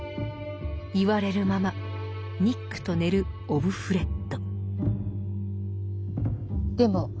言われるままニックと寝るオブフレッド。